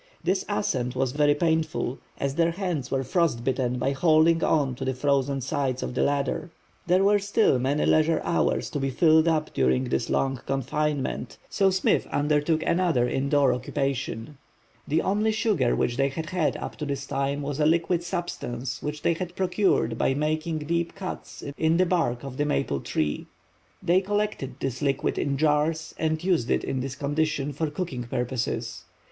This ascent was very painful, as their hands were frostbitten by holding on to the frozen sides of the ladder. There were still many leisure hours to be filled up during this long confinement, so Smith undertook another indoor occupation. The only sugar which they had had up to this time was a liquid substance which they had procured by making deep cuts in the bark of the maple tree. They collected this liquid in jars and used it in this condition for cooking purposes.